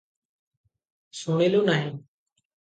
ଶୁଣିଲୁ ନାହିଁ ।